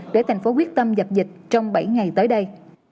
để thành phố quyết tâm dập dịch trong bảy ngày tới đây